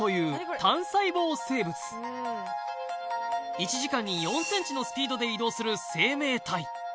１時間に４ｃｍのスピードで移動する生命体